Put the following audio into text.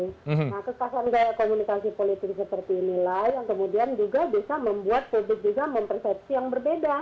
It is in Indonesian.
nah kekasan gaya komunikasi politik seperti inilah yang kemudian juga bisa membuat publik juga mempersepsi yang berbeda